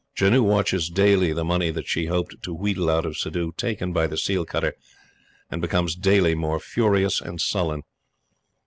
Janoo watches daily the money that she hoped to wheedle out of Suddhoo taken by the seal cutter, and becomes daily more furious and sullen.